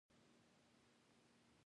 یوڅو تاو، تاو مړوندونه